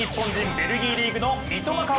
ベルギーリーグの三笘薫。